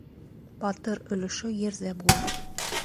Батыр өлөшө ерҙә булыр.